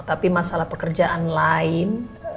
tapi masalah pekerjaan lain